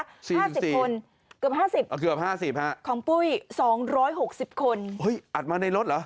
๕๐คนเกือบ๕๐ค่ะของปุ้ย๒๖๐คนอัดมาในรถเหรอ